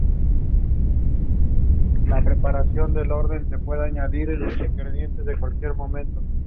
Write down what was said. Se convirtió al cristianismo; y, en su bautismo, recibió el nombre de Marguerite.